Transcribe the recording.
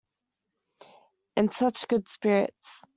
In such good spirits.